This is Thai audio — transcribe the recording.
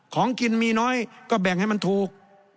ของกินมีน้อยก็แบ่งให้มันถูก